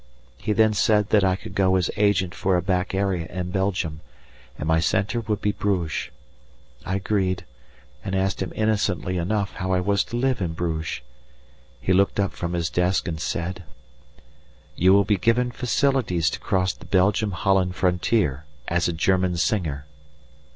He then said that I could go as agent for a back area in Belgium, and my centre would be Bruges. I agreed, and asked him innocently enough how I was to live in Bruges. He looked up from his desk and said: "You will be given facilities to cross the Belgium Holland frontier, as a German singer."